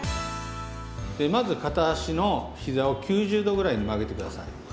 まず片脚のひざを９０度ぐらいに曲げて下さい。